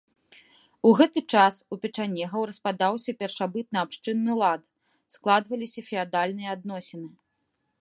У гэты час у печанегаў распадаўся першабытнаабшчынны лад, складваліся феадальныя адносіны.